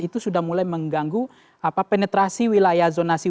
itu sudah mulai mengganggu penetrasi wilayah zonasi